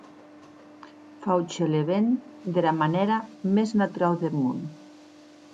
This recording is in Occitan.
Fauchelevent dera manèra mès naturau deth mon.